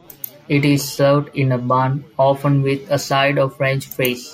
It is served in a bun, often with a side of French fries.